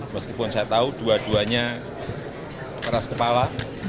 meskipun saya tahu dua duanya keras kepala